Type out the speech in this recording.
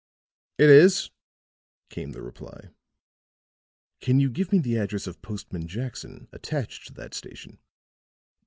"It is," came the reply. "Can you give me the address of Postman Jackson, attached to that station?"